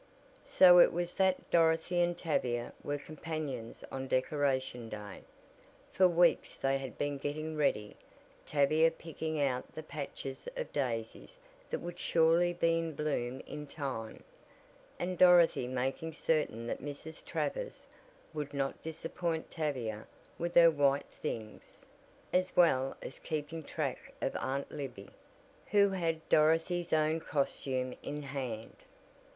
So it was that Dorothy and Tavia were companions on Decoration Day. For weeks they had been getting ready Tavia picking out the patches of daisies that would surely be in bloom in time, and Dorothy making certain that Mrs. Travers would not disappoint Tavia with her white things, as well as keeping track of Aunt Libby, who had Dorothy's own costume in hand.